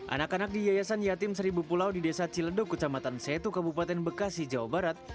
anak anak di yayasan yatim seribu pulau di desa ciledug kecamatan setu kabupaten bekasi jawa barat